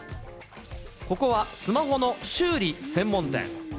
ここはスマホの修理専門店。